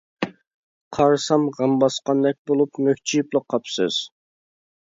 -قارىسام، غەم باسقاندەك بولۇپ مۈكچىيىپلا قاپسىز.